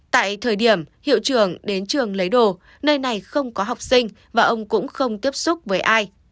tại thời điểm hiệu trưởng đến trường lấy đồ nơi này không có học sinh và ông cũng không tiếp xúc với ai